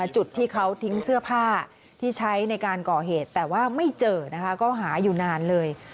จุดที่เขาทิ้งเสื้อผ้าที่ใช้ในการก่อเหตุแต่ว่าไม่เจอนะคะก็หาอยู่นานเลย